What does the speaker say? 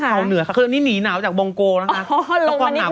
เข้าเหนือค่ะคือนี่หนีหนาวจากบองโกนะคะ